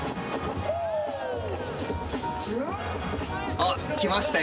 あっ来ましたよ。